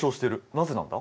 なぜなんだ？